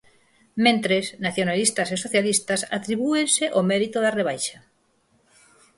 Mentres, nacionalistas e socialistas atribúense o mérito da rebaixa.